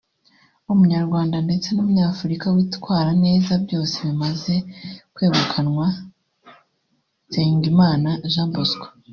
uw’umunyarwanda ndetse n’umunyafurika witwara neza byose bimaze kwegukanwa na Nsengimana Jean Bosco